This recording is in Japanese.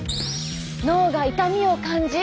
脳が痛みを感じ